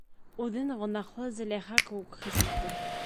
Үҙен гонаһлы Зөләйха кеүек хис итте.